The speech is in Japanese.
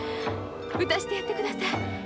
打たしてやってください。